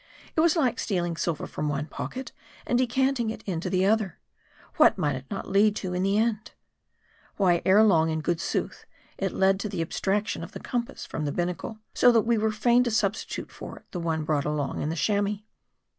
It was like stealing silver from one pocket and decanting it into the other. And what might it not lead to in the end ? Why, ere long, in good sooth, it led to the abstraction of the compass from the binnacle ; so that we were fain to sub stitute for it, the one brought along in the Chamois.